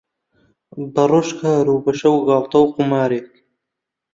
بەڕۆژ کار و بەشەو گاڵتە و قومارێک